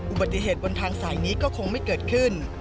อุบัติเหตุบนทางสายนี้ก็คงไม่เกิดขึ้น